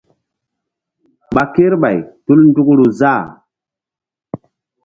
Ɓa kerɓay tul ndukru záh.